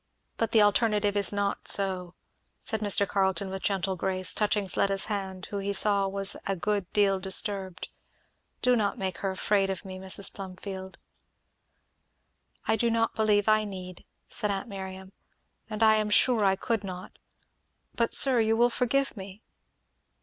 "But the alternative is not, so," said Mr. Carleton with gentle grace, touching Fleda's hand who he saw was a good deal disturbed. "Do not make her afraid of me, Mrs. Plumfield." "I do not believe I need," said aunt Miriam, "and I am sure I could not, but sir, you will forgive me?"